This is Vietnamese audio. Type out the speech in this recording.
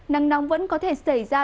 nắng nóng vẫn có thể xảy ra